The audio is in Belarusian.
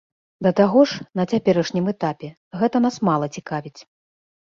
Да таго ж, на цяперашнім этапе гэта нас мала цікавіць.